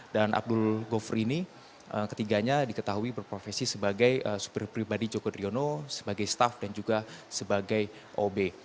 dan abdul govar ini ketiganya diketahui berprofesi sebagai super pribadi joko driono sebagai staff dan juga sebagai ob